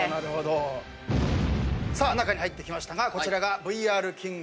さあ中に入ってきましたがこちらがＶＲ−ＫＩＮＧです。